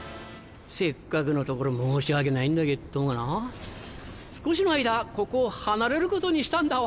せっかくのところ申し訳ないんだっけどもな少しの間ここを離れることにしたんだわ。